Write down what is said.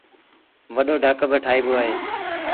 وڏو ڍڪ با ٺآئيٚبو اهي۔